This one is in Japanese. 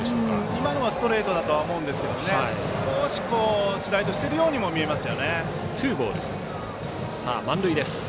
今のはストレートだと思いますけどスライドしているようにも見えます。